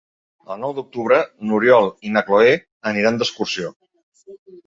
El nou d'octubre n'Oriol i na Cloè aniran d'excursió.